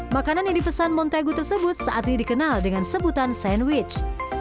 makanan yang dipesan montagu tersebut saat ini dikenal dengan sebutan sandwich